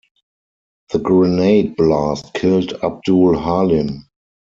The grenade blast killed Abdul-Halim.